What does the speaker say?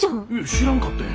知らんかったんや。